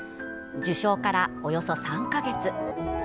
受賞から、およそ３か月。